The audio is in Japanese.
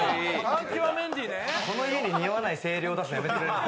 この家似合わない声量を出すのやめてくれる。